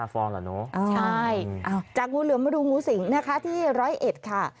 ฟองเหรอเนอะใช่จากงูเหลือมมาดูงูสิงนะคะที่๑๐๑ค่ะ